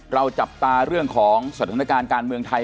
จับตาเรื่องของสถานการณ์การเมืองไทย